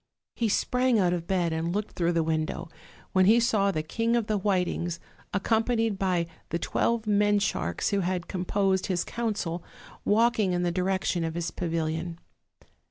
He sprang out of bed and looked through the window, when he saw the King of the Whitings, accompanied by the twelve men sharks who composed his council, walking in the direction of his pavilion.